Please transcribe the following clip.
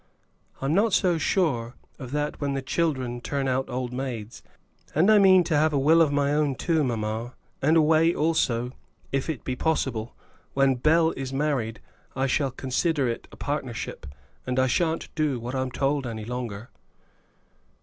"I'm not so sure of that when the children turn out old maids. And I mean to have a will of my own, too, mamma; and a way also, if it be possible. When Bell is married I shall consider it a partnership, and I shan't do what I'm told any longer."